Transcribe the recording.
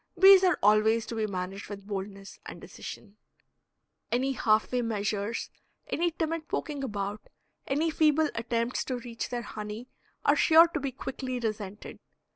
Bees are always to be managed with boldness and decision. Any half way measures, any timid poking about, any feeble attempts to reach their honey, are sure to be quickly resented.